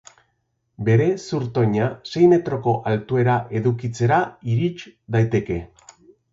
Bere zurtoina sei metroko altuera edukitzera irits daiteke.